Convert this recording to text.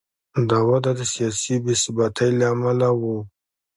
دا وده د سیاسي بې ثباتۍ له امله و.